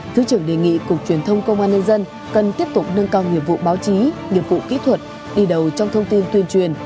thứ trưởng đề nghị cục truyền thông công an nhân dân cần tiếp tục nâng cao nghiệp vụ báo chí nhiệm vụ kỹ thuật đi đầu trong thông tin tuyên truyền